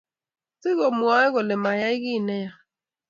tigomwoe kole mayay kiy neya